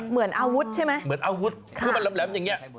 เหมือนอาวุธใช่ไหมเหมือนอาวุธคือมันแหลมอย่างนี้